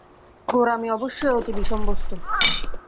গোঁড়ামি অবশ্যই অতি বিষম বস্তু।